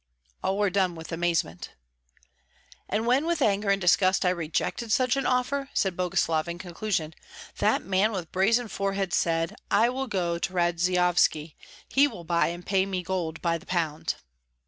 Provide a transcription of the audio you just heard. All were dumb with amazement. "And when with anger and disgust I rejected such an offer," said Boguslav, in conclusion, "that man with brazen forehead said, 'I will go to Radzeyovski; he will buy and pay me gold by the pound.'"